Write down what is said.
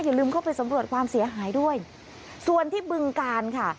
อย่าลืมเข้าไปสำรวจความเสียหายด้วยส่วนที่บึงการค่ะ